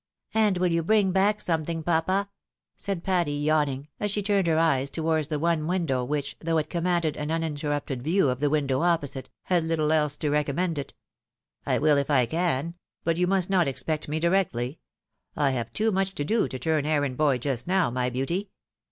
" And wiU you bring back something, papa," said Patty, yawning, as she turned her eyes towards the one window, which, though it commanded an uninterrupted view of the window opposite, had httle else to recommend it. 208 THB WIDOW MAEKIED. " I will if I can — but you must not expect me directly ; I have too much to do to turn errand boy just now, my beauty.